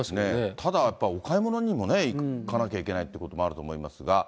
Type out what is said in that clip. ただ、お買い物にも行かなきゃいけないってこともあると思いますが。